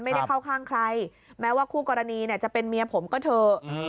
ไม่ได้เข้าข้างใครแม้ว่าคู่กรณีเนี่ยจะเป็นเมียผมก็เถอะ